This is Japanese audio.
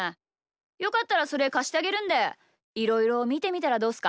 よかったらそれかしてあげるんでいろいろみてみたらどうっすか？